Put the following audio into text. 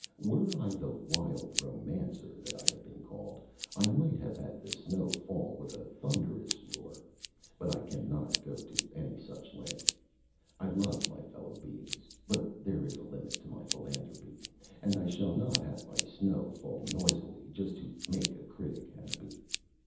Were I the "wild romancer" that I have been called, I might have had the snow fall with a thunderous roar, but I cannot go to any such length. I love my fellow beings, but there is a limit to my philanthropy, and I shall not have my snow fall noisily just to make a critic happy.